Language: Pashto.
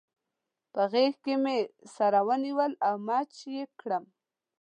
په غېږ کې مې سره ونیول او مچ يې کړم.